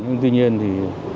nhưng tuy nhiên thì